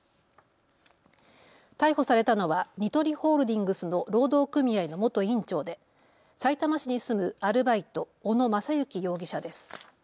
逮捕されたのはニトリホールディングスの労働組合の元委員長でさいたま市に住むアルバイト、小野正行容疑者です。